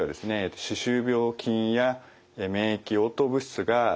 歯周病菌や免疫応答物質が血管ですね